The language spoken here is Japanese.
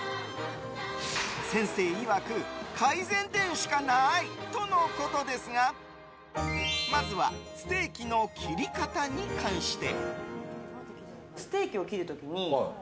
先生いわく改善点しかないとのことですがまずはステーキの切り方に関して。